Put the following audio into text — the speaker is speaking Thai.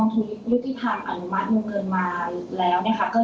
ตัวในเรื่องการประกันก็ถ้าเกิดทางกองทุนยุทธิธรรมอันมัติมุมเกินมาแล้ว